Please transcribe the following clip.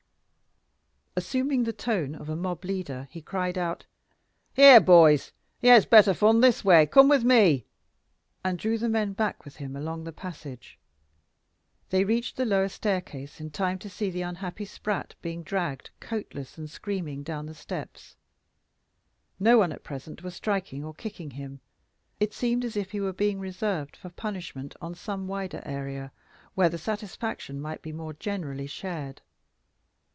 Assuming the tone of a mob leader he cried out, "Here, boys, here's better fun this way come with me!" and drew the men back with him along the passage. They reached the lower staircase in time to see the unhappy Spratt being dragged, coatless and screaming, down the steps. No one at present was striking or kicking him; it seemed as if he were being reserved for punishment on some wider area, where the satisfaction might be more generally shared.